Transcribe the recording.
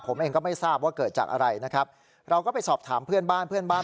ผมเองก็ไม่ทราบว่าเกิดจากอะไรนะครับเราก็ไปสอบถามเพื่อนบ้านเพื่อนบ้าน